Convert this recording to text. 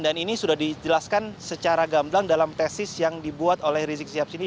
dan ini sudah dijelaskan secara gamblang dalam tesis yang dibuat oleh rizik syihab sendiri